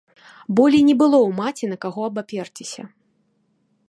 Болей не было ў маці на каго абаперціся.